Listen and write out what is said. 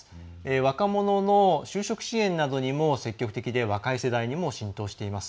若者の就職支援などにも積極的で若い世代にも浸透しています。